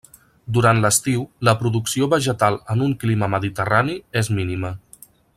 Durant l'estiu la producció vegetal en un clima mediterrani és mínima.